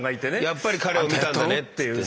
「やっぱり彼を見たんだね」